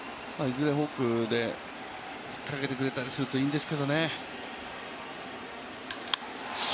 フォークで引っかけてくれたりするといいんですけどね。